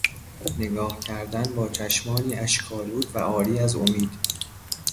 نگاه کردن با چشمانی اشک آلود و عاری از امید